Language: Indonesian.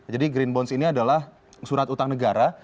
jadi green bonds ini adalah surat utang negara